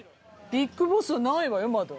ビッグボスないわよまだ。